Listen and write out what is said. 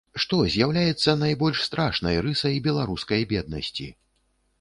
Што з'яўляецца найбольш страшнай рысай беларускай беднасці?